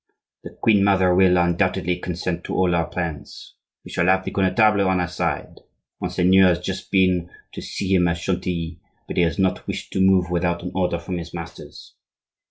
The queen mother will, undoubtedly, consent to all our plans. We shall have the Connetable on our side; Monseigneur has just been to see him at Chantilly; but he does not wish to move without an order from his masters.